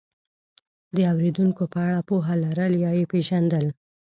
د اورېدونکو په اړه پوهه لرل یا یې پېژندل،